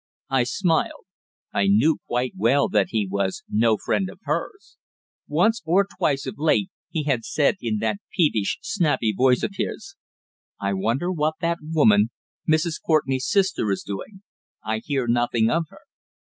I smiled. I knew quite well that he was no friend of hers. Once or twice of late he had said in that peevish snappy voice of his: "I wonder what that woman, Mrs. Courtenay's sister, is doing? I hear nothing of her."